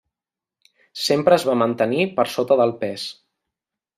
Sempre es va mantenir per sota del pes.